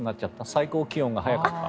最高気温が早かった。